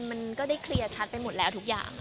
มันก็ได้เคลียร์ชัดไปหมดแล้วทุกอย่าง